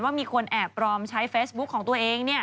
ว่ามีคนแอบปรอมใช้เฟสบุ๊กของตัวเองเนี่ย